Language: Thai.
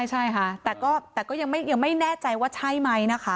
ใช่ค่ะแต่ก็ยังไม่แน่ใจว่าใช่ไหมนะคะ